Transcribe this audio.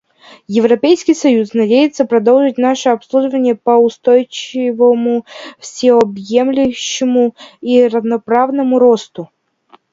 Европейский союз надеется продолжить наши обсуждения по устойчивому, всеобъемлющему и равноправному росту.